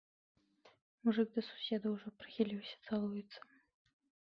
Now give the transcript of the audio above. Мужык да суседа ўжо прыхіліўся, цалуецца.